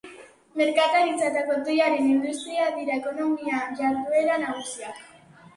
Merkataritza eta kotoiaren industria dira ekonomia-jarduera nagusiak.